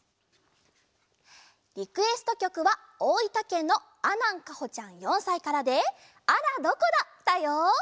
リクエストきょくはおおいたけんのあなんかほちゃん４さいからで「あらどこだ」だよ。